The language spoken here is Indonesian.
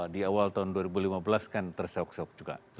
di awal tahun dua ribu lima belas kan terseok seok juga